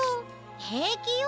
へいきよ。